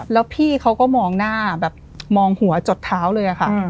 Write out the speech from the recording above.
แล้วพี่เขาก็มองหน้าแบบมองหัวจดเท้าเลยค่ะ